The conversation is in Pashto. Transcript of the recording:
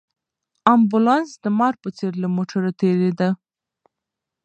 امبولانس د مار په څېر له موټرو تېرېده.